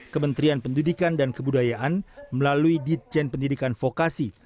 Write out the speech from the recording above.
kementerian pendidikan dan kebudayaan melalui ditjen pendidikan vokasi